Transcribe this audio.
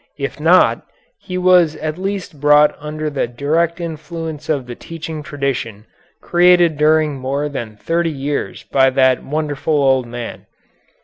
If not, he was at least brought under the direct influence of the teaching tradition created during more than thirty years by that wonderful old man.